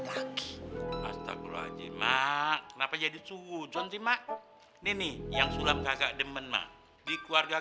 lagi astagfirullahaladzim mak kenapa jadi suzon sih mak ini yang sulam kagak demen di keluarga